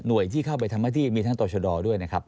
หน่วยที่เข้าไปทำมาที่มีทั้งตัวชดด้วยนะครับ